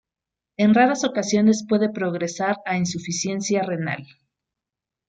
En raras ocasiones puede progresar a insuficiencia renal.